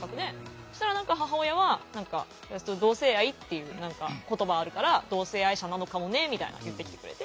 そしたら何か母親は「同性愛っていう言葉あるから同性愛者なのかもね」みたいな言ってきてくれて。